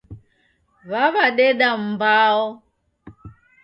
W'aw'adeda mbao.